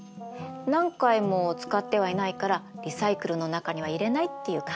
何回も使ってはいないからリサイクルの中には入れないっていう考え方もあるの。